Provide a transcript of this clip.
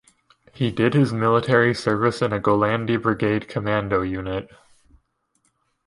He did his military service in a Golani Brigade commando unit.